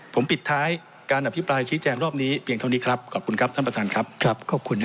ผมปิดท้ายการขอบคุณครับท่านประธานครับ